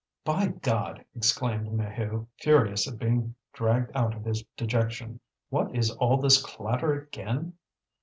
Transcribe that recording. "By God!" exclaimed Maheu, furious at being dragged out of his dejection, "what is all this clatter again?